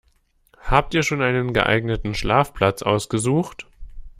Habt ihr schon einen geeigneten Schlafplatz ausgesucht?